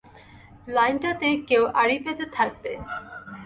লাইনটাতে কেউ আড়ি পেতে থাকবে!